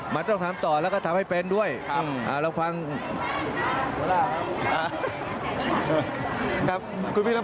มันต้องทำต่อแล้วก็ทำให้เป็นด้วยลองฟังหัวหน้าครับ